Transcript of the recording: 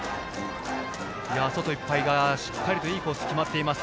外いっぱいがしっかりといいコースに決まっています